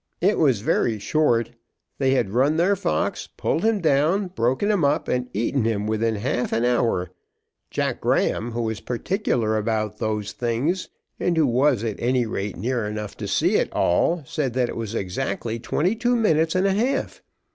It was very short. They had run their fox, pulled him down, broken him up, and eaten him within half an hour. Jack Graham, who is particular about those things, and who was, at any rate, near enough to see it all, said that it was exactly twenty two minutes and a half.